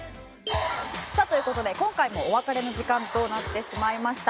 さあという事で今回もお別れの時間となってしまいました。